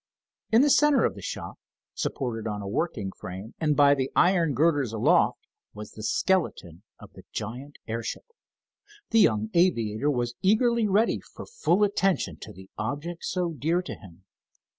In the center of the shop, supported on a working frame and by the iron girders aloft, was the skeleton of the giant airship. The young aviator was eagerly ready for full attention to the object so dear to him.